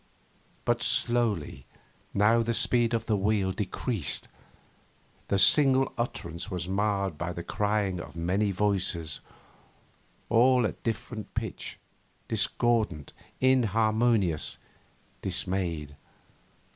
But slowly now the speed of the wheel decreased; the single utterance was marred by the crying of many voices, all at different pitch, discordant, inharmonious, dismayed.